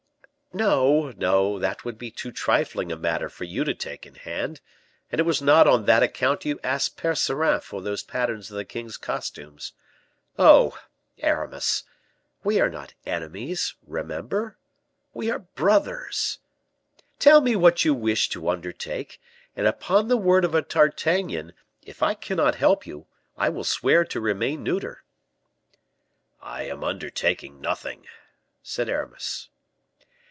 _" "No, no; that would be too trifling a matter for you to take in hand, and it was not on that account you asked Percerin for those patterns of the king's costumes. Oh! Aramis, we are not enemies, remember we are brothers. Tell me what you wish to undertake, and, upon the word of a D'Artagnan, if I cannot help you, I will swear to remain neuter." "I am undertaking nothing," said Aramis.